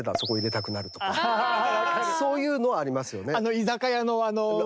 そういうのはありますよね。